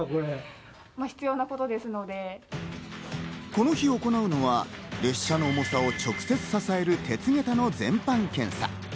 この日、行うのは列車の重さを直接支える、鉄桁の全般検査。